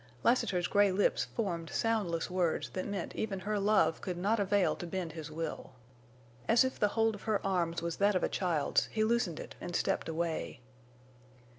Lassiter's gray lips formed soundless words that meant even her love could not avail to bend his will. As if the hold of her arms was that of a child's he loosened it and stepped away.